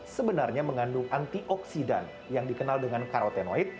sebenarnya mengandung antioksidan yang dikenal dengan karotenoid